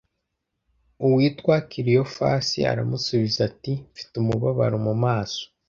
uwitwa kiliyofasi aramusubiza ati mfite umubabaro mu maso